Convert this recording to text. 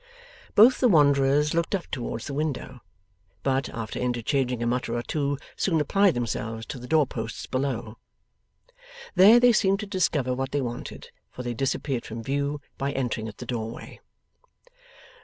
Both the wanderers looked up towards the window; but, after interchanging a mutter or two, soon applied themselves to the door posts below. There they seemed to discover what they wanted, for they disappeared from view by entering at the doorway.